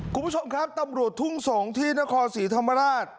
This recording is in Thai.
คุณผู้ชมครับตำรวจทุ่งสงศ์ที่นครศรีธรรมราช